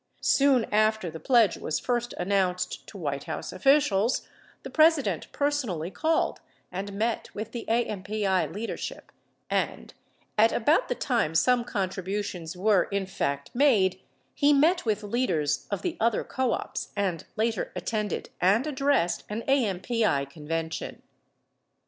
Soon after the pledge was first announced to White House officials, the President personally called and met with the AMPI leadership and, at about the time some contributions were, in fact, made, he met with leaders of the other co ops and later attended and addressed an AMPI convention.